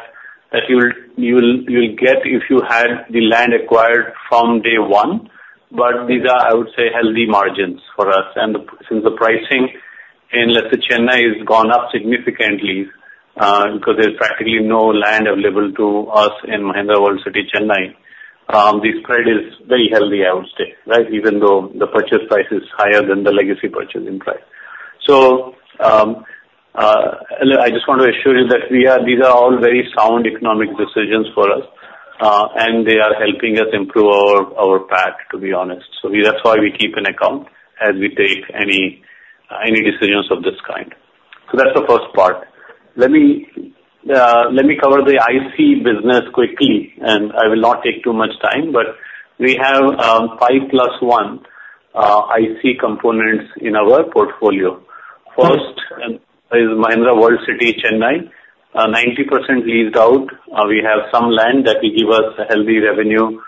you'll get if you had the land acquired from day one, but these are, I would say, healthy margins for us. And since the pricing in, let's say, Chennai has gone up significantly because there's practically no land available to us in Mahindra World City, Chennai, the spread is very healthy, I would say, right? Even though the purchase price is higher than the legacy purchasing price. So I just want to assure you that these are all very sound economic decisions for us, and they are helping us improve our path, to be honest. So that's why we keep in account as we take any decisions of this kind. So that's the first part. Let me cover the IC business quickly, and I will not take too much time, but we have five plus one IC components in our portfolio. First is Mahindra World City, Chennai, 90% leased out. We have some land that will give us a healthy revenue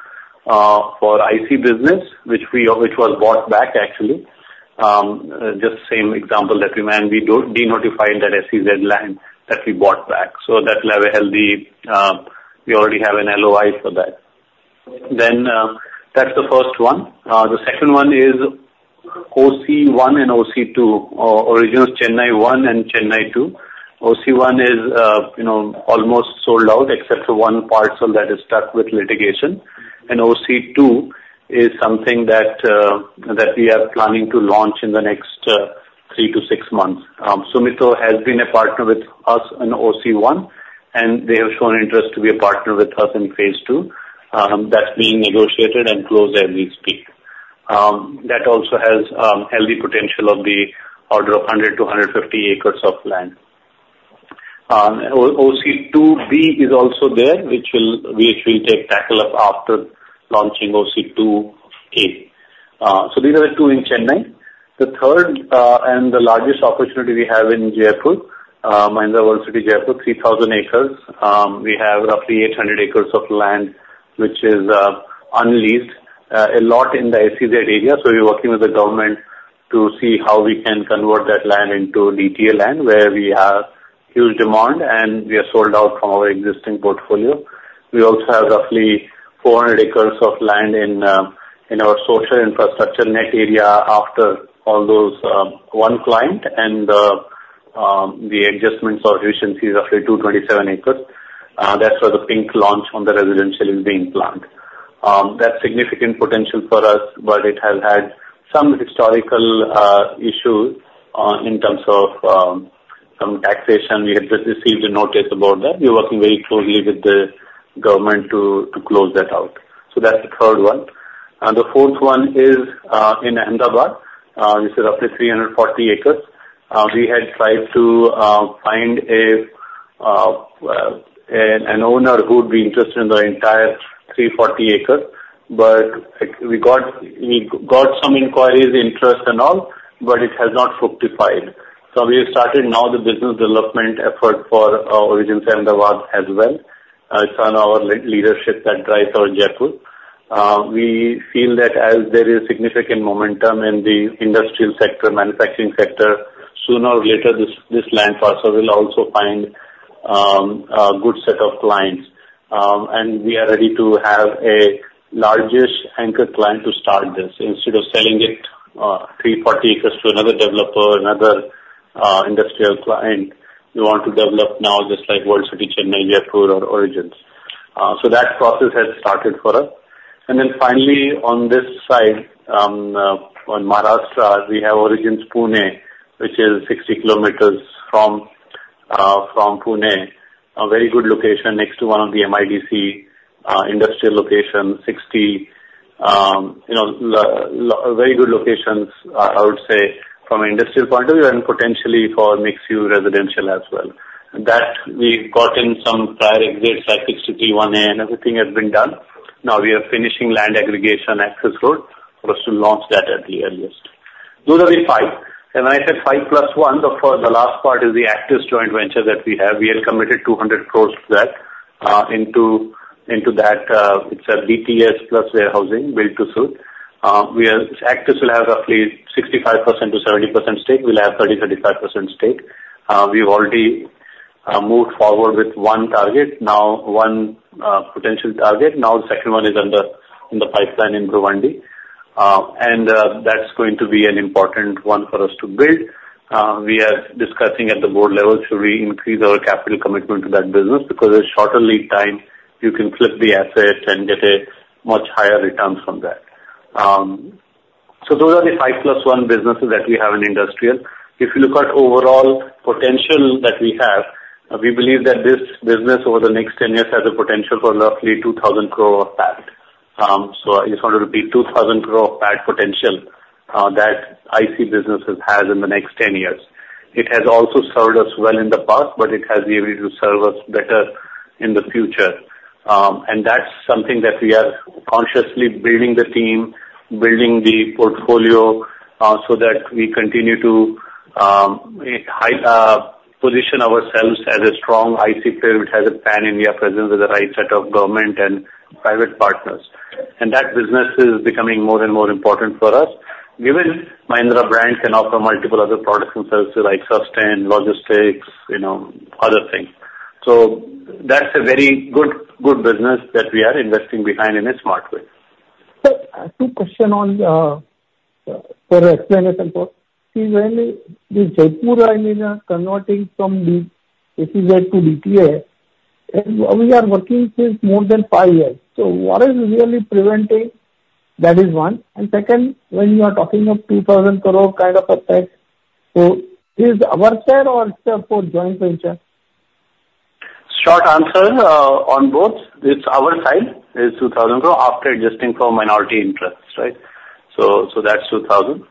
for IC business, which was bought back, actually. Just same example that we mentioned, we denotified that SEZ land that we bought back. So that will have a healthy. We already have an LOI for that. Then that's the first one. The second one is OC1 and OC2, Origins Chennai 1 and Chennai 2. OC1 is almost sold out, except for one parcel that is stuck with litigation. And OC2 is something that we are planning to launch in the next three to six months. Sumitomo has been a partner with us in OC1, and they have shown interest to be a partner with us in phase two. That's being negotiated and closed as we speak. That also has healthy potential of the order of 100-150 acres of land. OC2B is also there, which we'll tackle up after launching OC2A. So these are the two in Chennai. The third and the largest opportunity we have in Jaipur, Mahindra World City, Jaipur, 3,000 acres. We have roughly 800 acres of land, which is unleased, a lot in the SEZ area. So we're working with the government to see how we can convert that land into DTA land where we have huge demand, and we are sold out from our existing portfolio. We also have roughly 400 acres of land in our social infrastructure net area after all those one client and the adjustments or efficiencies, roughly 227 acres. That's where the pink launch on the residential is being planned. That's significant potential for us, but it has had some historical issues in terms of some taxation. We have received a notice about that. We're working very closely with the government to close that out. So that's the third one. The fourth one is in Ahmedabad. This is roughly 340 acres. We had tried to find an owner who would be interested in the entire 340 acres, but we got some inquiries, interest, and all, but it has not fructified. We have started now the business development effort for Origins Ahmedabad as well. It's under our leadership that drives our Jaipur. We feel that as there is significant momentum in the industrial sector, manufacturing sector, sooner or later, this land parcel will also find a good set of clients. We are ready to have a largest anchor client to start this instead of selling it 340 acres to another developer, another industrial client. We want to develop now just like World City, Chennai, Jaipur, or Origins. That process has started for us. Finally, on this side, on Maharashtra, we have Origins Pune, which is 60 km from Pune. A very good location next to one of the MIDC industrial locations, 60 very good locations, I would say, from an industrial point of view and potentially for mixed-use residential as well. That we've gotten some prior exits, like 631A, and everything has been done. Now we are finishing land aggregation access road for us to launch that at the earliest. Those are the five. And when I said five plus one, the last part is the Actis joint venture that we have. We have committed 200 crores to that into that. It's a DTA plus warehousing, built to suit. Actis will have roughly 65%-70% stake. We'll have 30%-35% stake. We've already moved forward with one target, now one potential target. Now the second one is in the pipeline in Bhiwandi. And that's going to be an important one for us to build. We are discussing at the board level should we increase our capital commitment to that business because it's shorter lead time. You can flip the asset and get a much higher return from that. So those are the five plus one businesses that we have in industrial. If you look at overall potential that we have, we believe that this business over the next 10 years has a potential for roughly 2,000 crore of PAT. So I just want to repeat, 2,000 crore of PAT potential that IC businesses have in the next 10 years. It has also served us well in the past, but it has the ability to serve us better in the future. And that's something that we are consciously building the team, building the portfolio so that we continue to position ourselves as a strong IC player which has a pan-India presence with the right set of government and private partners. And that business is becoming more and more important for us, given Mahindra brand can offer multiple other products and services like sustainability, logistics, other things. So that's a very good business that we are investing behind in a smart way. So, a quick question on the explanation for is when the Jaipur—I mean, converting from SEZ to DTA—we are working since more than five years. So what is really preventing? That is one. And second, when you are talking of 2,000 crore kind of a pack, so is our share or it's for joint venture? Short answer on both. It's our side is 2,000 crore after adjusting for minority interests, right? So that's 2,000.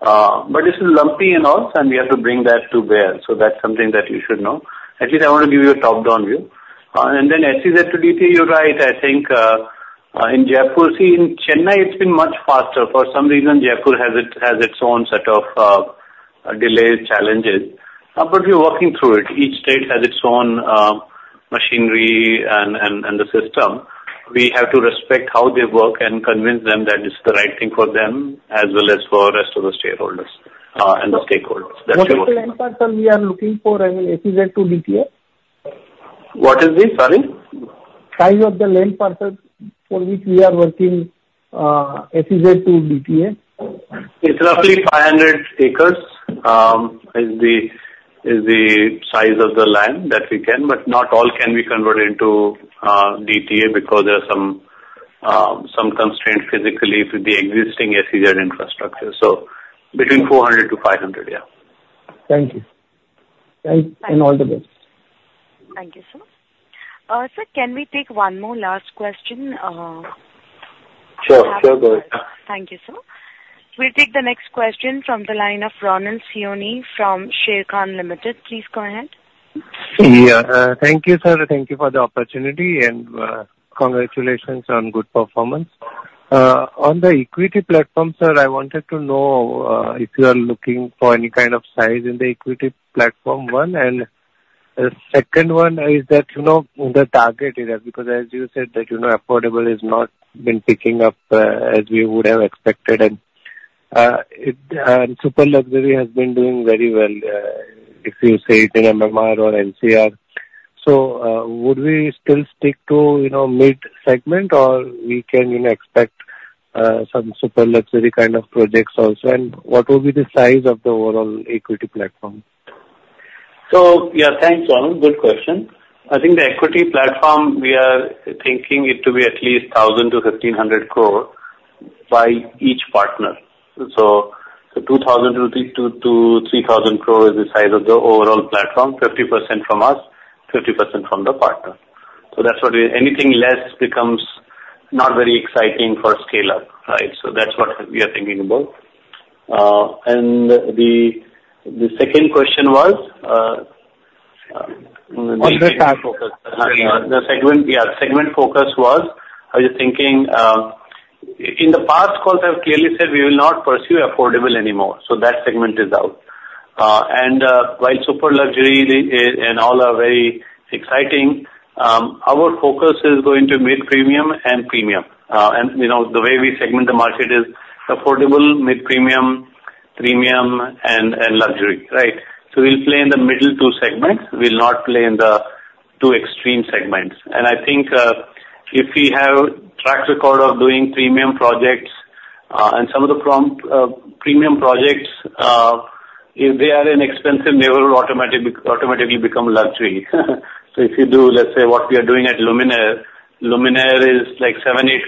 But this is lumpy and odds, and we have to bring that to bear. So that's something that you should know. At least I want to give you a top-down view. And then SEZ to DTA, you're right. I think in Jaipur, see, in Chennai, it's been much faster. For some reason, Jaipur has its own set of delays, challenges. But we're working through it. Each state has its own machinery and the system. We have to respect how they work and convince them that it's the right thing for them as well as for the rest of the stakeholders. And the stakeholders. How much land parcel we are looking for in SEZ to DTA? What is the, sorry? Size of the land parcel for which we are working SEZ to DTA? It's roughly 500 acres, the size of the land that we can, but not all can we convert into DTA because there are some constraints physically to the existing SEZ infrastructure. So between 400-500, yeah. Thank you. And all the best. Thank you so much. Sir, can we take one more last question? Sure. Sure. Go ahead. Thank you, sir. We'll take the next question from the line of Ronald Siyoni from Sharekhan Limited. Please go ahead. Yeah. Thank you, sir. Thank you for the opportunity and congratulations on good performance. On the equity platform, sir, I wanted to know if you are looking for any kind of size in the equity platform one. And the second one is that the target area because, as you said, affordable has not been picking up as we would have expected. And Super Luxury has been doing very well, if you say it in MMR or LCR. So would we still stick to mid-segment, or we can expect some Super Luxury kind of projects also? And what will be the size of the overall equity platform? So yeah, thanks, Ronald. Good question. I think the equity platform, we are thinking it to be at least 1,000 crore-1,500 crore by each partner. So 2,000 crore-3,000 crore is the size of the overall platform, 50% from us, 50% from the partner. So that's what anything less becomes not very exciting for scale-up, right? So that's what we are thinking about. The second question was. On the segment. The segment, yeah, segment focus was, are you thinking in the past, of course, I have clearly said we will not pursue affordable anymore. So that segment is out. While super luxury and all are very exciting, our focus is going to mid-premium and premium. The way we segment the market is affordable, mid-premium, premium, and luxury, right? We'll play in the middle two segments. We'll not play in the two extreme segments. I think if we have track record of doing premium projects and some of the premium projects, if they are inexpensive, they will automatically become luxury. If you do, let's say, what we are doing at Luminare, Luminare is like 7 crore, 8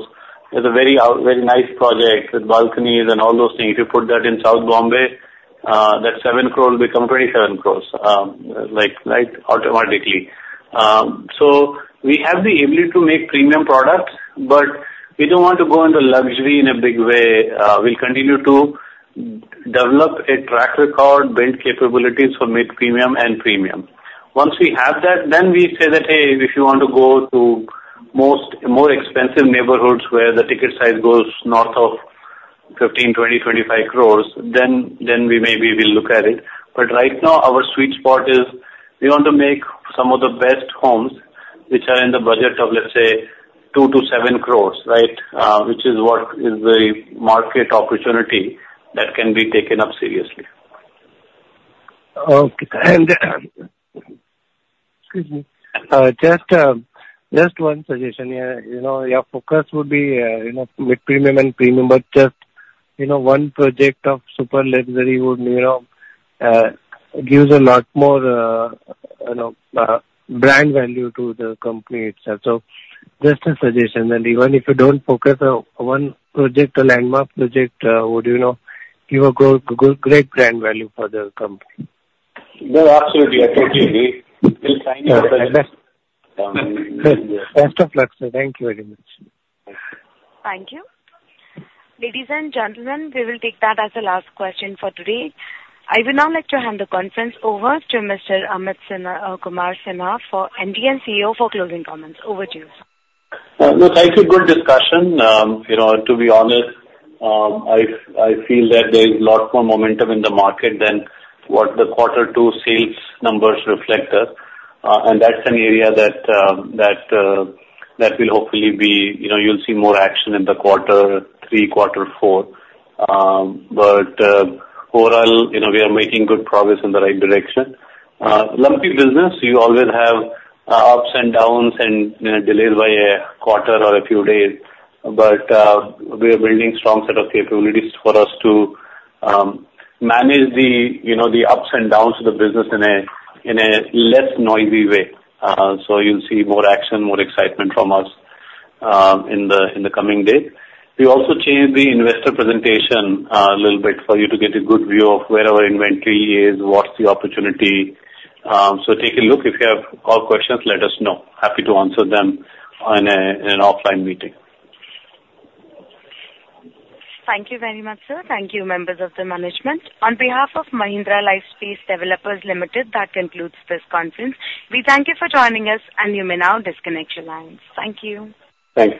crore. It's a very nice project with balconies and all those things. If you put that in South Bombay, that 7 crore will become 27 crore, right, automatically. So we have the ability to make premium products, but we don't want to go into luxury in a big way. We'll continue to develop a track record, build capabilities for mid-premium and premium. Once we have that, then we say that, hey, if you want to go to more expensive neighborhoods where the ticket size goes north of 15 crore, 20 crore, 25 crore, then we maybe will look at it. But right now, our sweet spot is we want to make some of the best homes which are in the budget of, let's say, 2 crore to 7 crore, right, which is what is the market opportunity that can be taken up seriously. Okay. And excuse me. Just one suggestion. Your focus would be mid-premium and premium, but just one project of Super Luxury would give a lot more brand value to the company itself. So just a suggestion. And even if you don't focus on one project, a landmark project would give a great brand value for the company. No, absolutely. I totally agree. We'll sign your project. Best of luck, sir. Thank you very much. Thank you. Ladies and gentlemen, we will take that as a last question for today. I would now like to hand the conference over to Mr. Amit Kumar Sinha as MD and CEO for closing comments. Over to you, sir. No, thank you. Good discussion. To be honest, I feel that there is a lot more momentum in the market than what the quarter two sales numbers reflect us, and that's an area that will hopefully be. You'll see more action in the quarter three, quarter four, but overall, we are making good progress in the right direction. Lumpy business, you always have ups and downs and delays by a quarter or a few days, but we are building a strong set of capabilities for us to manage the ups and downs of the business in a less noisy way, so you'll see more action, more excitement from us in the coming days. We also changed the investor presentation a little bit for you to get a good view of where our inventory is, what's the opportunity, so take a look. If you have questions, let us know. Happy to answer them in an offline meeting. Thank you very much, sir. Thank you, members of the management. On behalf of Mahindra Lifespace Developers Limited, that concludes this conference. We thank you for joining us, and you may now disconnect your lines. Thank you. Thanks.